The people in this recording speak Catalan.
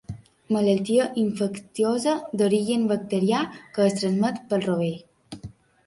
Malaltia infecciosa d'origen bacterià que es transmet pel rovell.